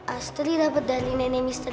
astri dapet dari nenek misterius